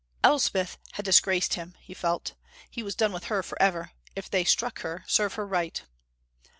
Elspeth had disgraced him, he felt. He was done with her forever. If they struck her, serve her right.